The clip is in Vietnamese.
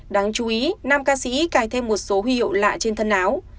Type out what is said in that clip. đáng chú ý nam ca sĩ cài thêm một số huy hiệu lạ trên thân áo